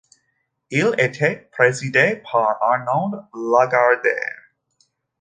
Il était présidé par Arnaud Lagardère.